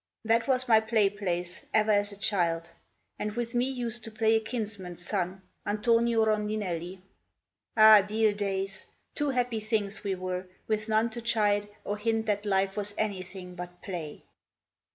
That was my play place ever as a child; And with me used to play a kinsman's son, Antonio Rondinelli. Ah, dear days! Two happy things we were, with none to chide Or hint that life was anything but play.